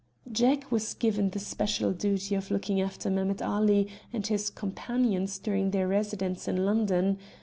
"Jack was given the special duty of looking after Mehemet Ali and his companions during their residence in London.